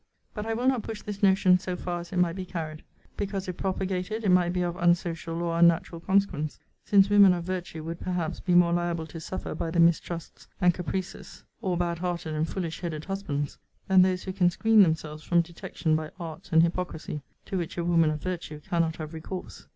But I will not push this notion so far as it might be carried; because, if propagated, it might be of unsocial or unnatural consequence; since women of virtue would perhaps be more liable to suffer by the mistrusts and caprices or bad hearted and foolish headed husbands, than those who can screen themselves from detection by arts and hypocrisy, to which a woman of virtue cannot have recourse.